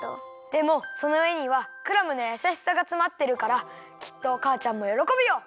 でもそのえにはクラムのやさしさがつまってるからきっとかあちゃんもよろこぶよ。